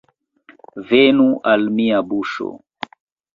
Venu al mia buŝo!